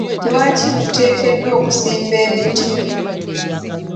Lwaki tuteekeddwa okusimba emiti?